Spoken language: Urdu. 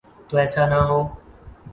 تو ایسا نہ ہو۔